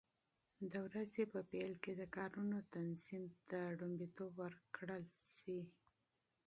د ورځې په پیل کې د کارونو تنظیم ته لومړیتوب ورکړل شي.